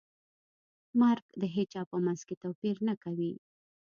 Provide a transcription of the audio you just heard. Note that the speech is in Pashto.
مرګ د هیچا په منځ کې توپیر نه کوي.